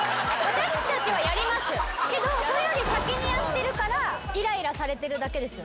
けどそれより先にやってるからイライラされてるだけですよね。